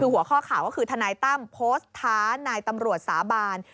คือหัวข้อข่าวก็คือทนายตั้มโพสต์ท้านายตำรวจสาบาน